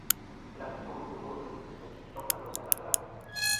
Bɨlàŋgi nto ɨkwo nô ajuŋ mɨti ijof na nomɨ nda na kel a.